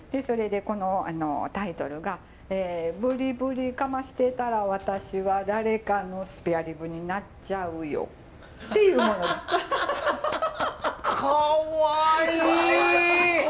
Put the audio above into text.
それでこのタイトルが「ブリブリカマしてたら私は誰かのスペアリブになっちゃうよ」っていうものです。